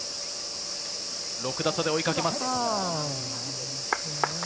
６打差で追いかけます。